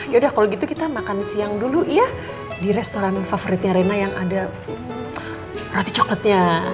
yaudah kalau gitu kita makan siang dulu ya di restoran favoritnya arena yang ada roti coklatnya